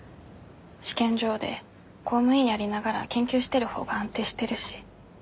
試験場で公務員やりながら研究してる方が安定してるし。